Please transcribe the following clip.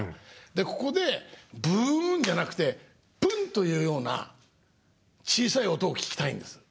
ここで「ブン」じゃなくて「プン」というような小さい音を聞きたいんです。